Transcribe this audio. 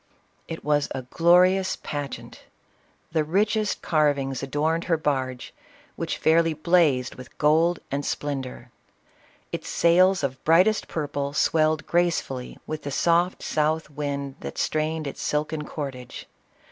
It was a glorious pageant! — The richest carvings 2* 34 CLEOPATRA. adorned her barge, which fairly blazed with gold and splendor. Its sails of brightest purple, swelled grace fully with the soft south wind that strained its silken cordage.